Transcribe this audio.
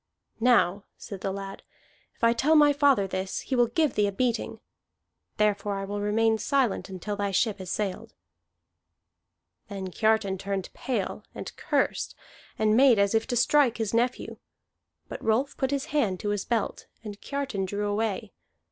"Now," said the lad, "if I tell my father this, he will give thee a beating. Therefore I will remain silent until thy ship has sailed." Then Kiartan turned pale, and cursed, and made as if to strike his nephew. But Rolf put his hand to his belt, and Kiartan drew away.